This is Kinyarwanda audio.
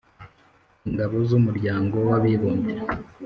ingabo z'umuryango w'abibumbye